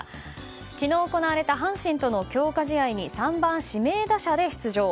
昨日、行われた阪神との強化試合に３番指名打者で出場。